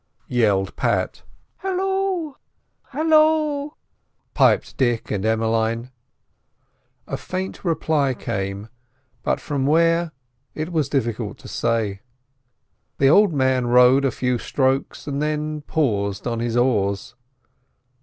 yelled Pat. "Halloo! Halloo!" piped Dick and Emmeline. A faint reply came, but from where, it was difficult to say. The old man rowed a few strokes and then paused on his oars.